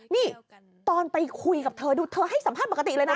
นี่ตอนไปคุยกับเธอดูเธอให้สัมภาษณ์ปกติเลยนะ